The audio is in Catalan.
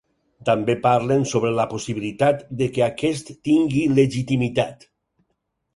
També parlen sobre la possibilitat de que aquest tingui legitimitat.